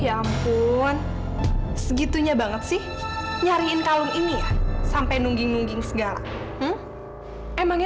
ya ampun segitunya banget sih nyariin kalung ini ya sampai nungging nungging segala emangnya